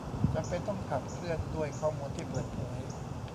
จำเป็นต้องขับเคลื่อนด้วยข้อมูลที่เปิดเผย